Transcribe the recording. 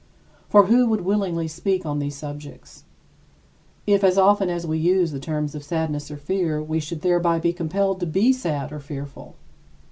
For who would willingly speak on these subjects, if as often as we used the term sadness or fear, we should thereby be compelled to be sad or fearful?